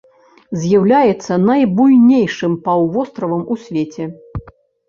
З'яўляецца найбуйнейшым паўвостравам у свеце.